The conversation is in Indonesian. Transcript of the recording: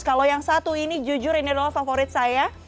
kalau yang satu ini jujur ini adalah favorit saya